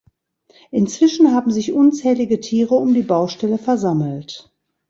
Inzwischen haben sich unzählige Tiere um die Baustelle versammelt.